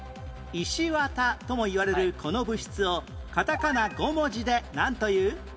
石綿ともいわれるこの物質をカタカナ５文字でなんという？